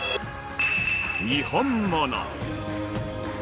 にほんもの。